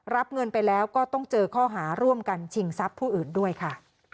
รับเงินไปแล้วก็ต้องเจอข้อหาร่วมกันชิงทรัพย์ผู้อื่นด้วยค่ะ